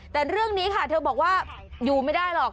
แต่เรื่องนี้ค่ะเธอบอกว่าอยู่ไม่ได้หรอก